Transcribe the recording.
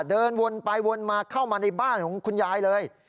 เดินวนไปวนมาเข้ามาในบ้านของคุณยายเลย